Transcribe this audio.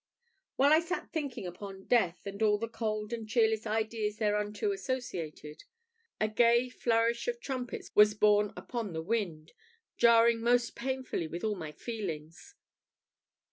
While I sat thinking upon death, and all the cold and cheerless ideas thereunto associated, a gay flourish of trumpets was borne upon the wind, jarring most painfully with all my feelings.